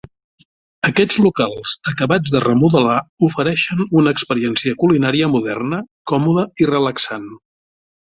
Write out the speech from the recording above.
Aquests locals acabats de remodelar ofereixen una experiència culinària moderna, còmoda i relaxant.